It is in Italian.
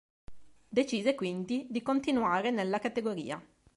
Decise quindi di continuare nella categoria.